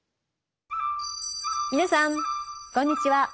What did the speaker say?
皆さんこんにちは。